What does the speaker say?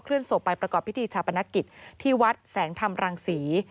ศพไปประกอบพิธีชาปนกิจที่วัดแสงธรรมรังศรี